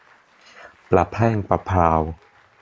ประแพร่งประแพรว